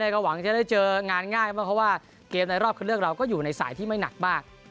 ก็หวังจะได้เจองานง่ายมากเพราะว่าเกมในรอบคือเลือกเราก็อยู่ในสายที่ไม่หนักมาก